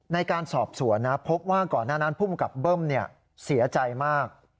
ในการสอบส่วนพบว่าก่อนหน้านั้นผู้บังคับเบิ้มเนี่ยเสียใจมาก